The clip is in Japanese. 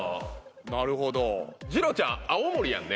なるほど。